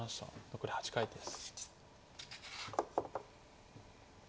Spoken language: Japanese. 残り８回です。